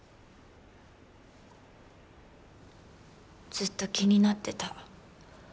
ずっと気になってた。